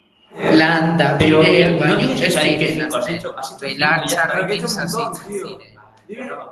Landa-bideak baino ez ziren hazten, belar txarrekin sasitzen ziren.